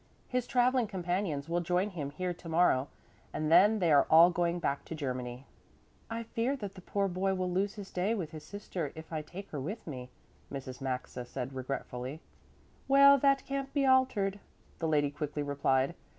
His travelling companions will join him here to morrow, and then they are all going back to Germany." "I fear that the poor boy will lose his day with his sister if I take her with me," Mrs. Maxa said regretfully. "Well, that can't be altered," the lady quickly replied.